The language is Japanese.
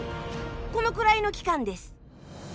このくらいの期間です。